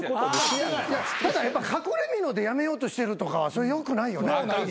ただ隠れみので辞めようとしてるとかはそれよくないよね。